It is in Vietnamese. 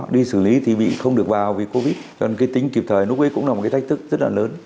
đi xử lý thì không được vào vì covid cho nên tính kịp thời lúc ấy cũng là một thách thức rất là lớn